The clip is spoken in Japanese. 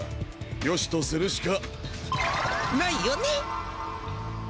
よしとするしかないよね